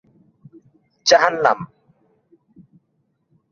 থাকে সংলাপ ও বিভিন্ন বর্ণনা।